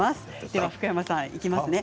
では福山さん、いきますね。